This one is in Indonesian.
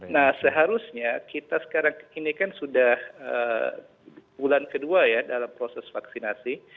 nah seharusnya kita sekarang ini kan sudah bulan kedua ya dalam proses vaksinasi